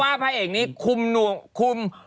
เพราะว่าพระเอกนี้คุม